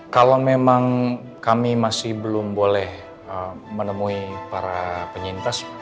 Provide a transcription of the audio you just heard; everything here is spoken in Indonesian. kalau memang kami masih belum boleh menemui para penyintas